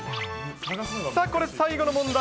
これ、最後の問題。